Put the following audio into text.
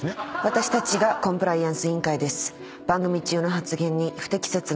私たちがコンプライアンス委員会です。